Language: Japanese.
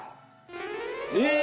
え！